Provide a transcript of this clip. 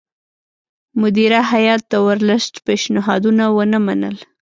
مدیره هیات د ورلسټ پېشنهادونه ونه منل.